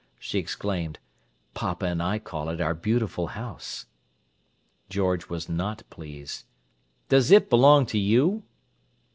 she exclaimed. "Papa and I call it our Beautiful House." George was not pleased. "Does it belong to you?"